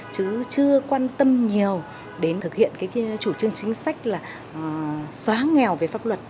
chứ chưa quan tâm nhiều đến thực hiện cái chủ trương chính sách là xóa nghèo về pháp luật